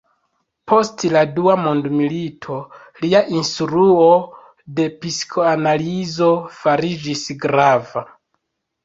Post la dua mondmilito lia instruo de psikoanalizo fariĝis grava.